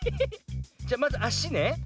じゃまずあしね。